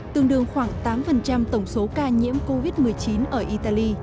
tương đương khoảng tám tổng số ca nhiễm covid một mươi chín ở italy